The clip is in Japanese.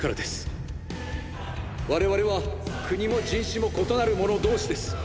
我々は国も人種も異なる者同士です！！